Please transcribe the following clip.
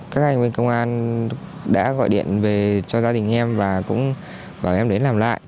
các anh bên công an đã gọi điện về cho gia đình em và cũng bảo em đến làm lại